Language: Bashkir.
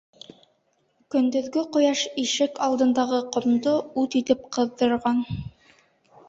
Көндөҙгө ҡояш ишек алдындағы ҡомдо ут итеп ҡыҙҙырған.